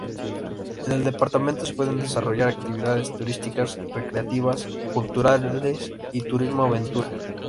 En el departamento se pueden desarrollar actividades turísticas recreativas, culturales y turismo aventura.